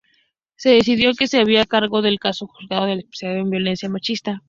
Se decidió que se haría cargo del caso el juzgado especializado en violencia machista.